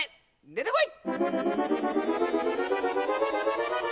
でてこい！